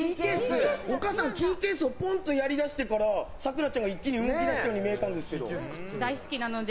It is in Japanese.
お母さんがキーケースをぽんっとやりだしてからさくらちゃんが一気に動き出したように大好きなので。